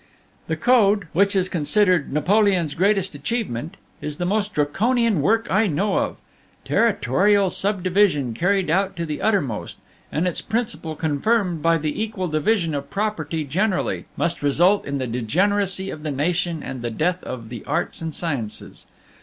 "The code, which is considered Napoleon's greatest achievement, is the most Draconian work I know of. Territorial subdivision carried out to the uttermost, and its principle confirmed by the equal division of property generally, must result in the degeneracy of the nation and the death of the Arts and Sciences.